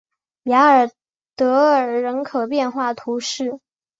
雅尔德尔人口变化图示